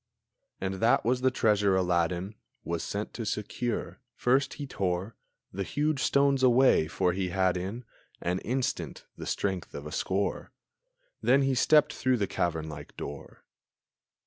And that was the treasure Aladdin Was sent to secure. First he tore The huge stones away, for he had in An instant the strength of a score; Then he stepped through the cavern like door.